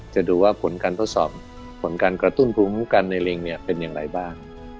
จะดูว่าผลการทดสอบผลการกระตุ้นภูมิกันในลิงเป็นอย่างไรบ้าง